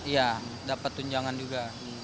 iya dapet tunjangan juga